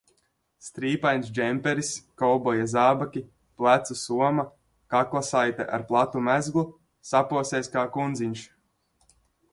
Strīpains džemperis, kovboja zābaki, plecu soma, kaklasaite ar platu mezglu - saposies kā kundziņš.